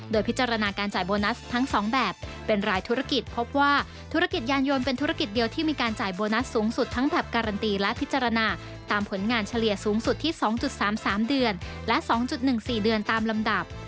โดยพิจารณาการจ่ายโบนัสทั้ง๒แบบเป็นรายธุรกิจพบว่าธุรกิจยานยนต์เป็นธุรกิจเดียวที่มีการจ่ายโบนัสสูงสุดทั้งแบบการันตีและพิจารณาตามผลงานเฉลี่ยสูงสุดที่๒๓๓เดือนและ๒๑๔เดือนตามลำดับ